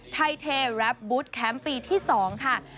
ไทยเทแรปบุตรแคมป์ปีที่๒ค่ะ